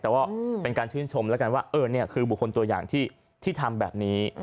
แต่ว่าเป็นการชื่นชมแล้วกันว่านี่คือบุคคลตัวอย่างที่ทำแบบนี้